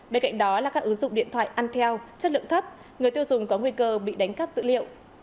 bên cạnh đó là các ứng dụng điện thoại ăn theo chất lượng thấp người tiêu dùng có nguy cơ bị đánh cắp dữ liệu